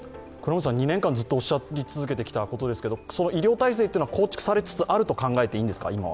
２年間ずっとおっしゃり続けてきたことですけど今は医療体制というのは構築されつつあると考えていいんですか。